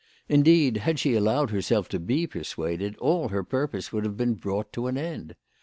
Indeed had she allowed herself to be persuaded, all her purpose would have been brought to an end.